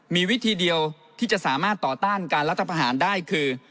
มีวิธีเดียวที่จะสามารถต่อต้านการรัฐประหารได้คือ